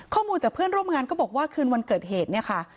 ข้อมูลจากเพื่อนร่วมงานก็บอกว่าคืนวันเกิดเหตุเนี่ยค่ะ